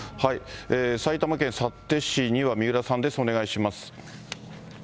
埼玉県幸手市には三浦さんです、お願いします。